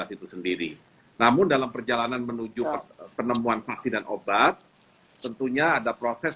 itu sendiri namun dalam perjalanan menuju penemuan vaksin dan obat tentunya ada proses